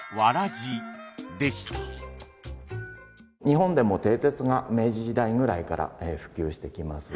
日本でもが明治時代ぐらいから普及してきます。